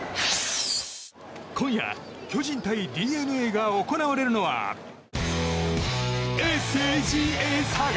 今夜巨人対ＤｅＮＡが行われるのはＳＡＧＡ、佐賀！